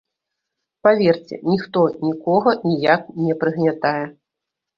Паверце, ніхто нікога ніяк не прыгнятае.